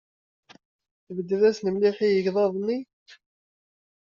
Tbedded-asen mliḥ i yegḍaḍ-nni.